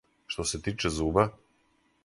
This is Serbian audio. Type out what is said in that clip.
Што се тиче зуба